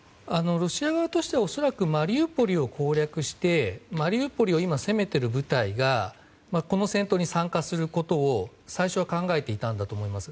ロシア側としては恐らくマリウポリを攻略してマリウポリを今、攻めている部隊がこの戦闘に参加することを最初は考えていたんだと思います。